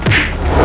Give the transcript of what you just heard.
kau tidak tahu